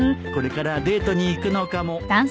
これからデートに行くのかも